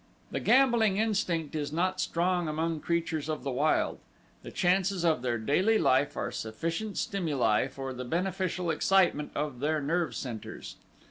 The gambling instinct is not strong among creatures of the wild; the chances of their daily life are sufficient stimuli for the beneficial excitement of their nerve centers.